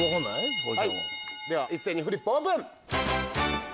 では一斉にフリップオープン！